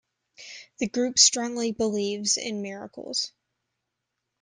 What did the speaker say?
The group strongly believes in miracles.